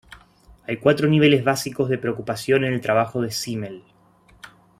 Hay cuatro niveles básicos de preocupación en el trabajo de Simmel.